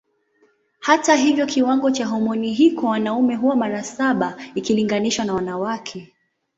Hata hivyo kiwango cha homoni hii kwa wanaume huwa mara saba ikilinganishwa na wanawake.